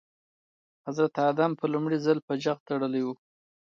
حضرت ادم په لومړي ځل په جغ تړلي وو.